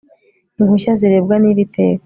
impushya zirebwa n'iri teka